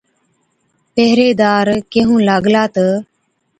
پهريدار ڪيهُون لاگلا تہ،